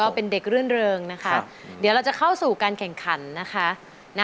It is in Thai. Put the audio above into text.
เป็นเด็กรื่นเริงนะคะเดี๋ยวเราจะเข้าสู่การแข่งขันนะคะ